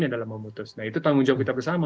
yang dalam memutus nah itu tanggung jawab kita bersama